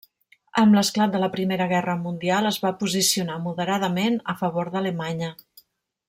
Amb l'esclat de la Primera Guerra Mundial, es va posicionar, moderadament, a favor d'Alemanya.